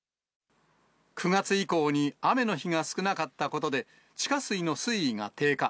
９月以降に雨の日が少なかったことで、地下水の水位が低下。